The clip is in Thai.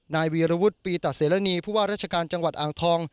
นายวีรวุฒิปีตะเสรณีผู้ว่าราชการจังหวัดอ่างทอง